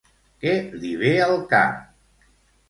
Què li ve al cap?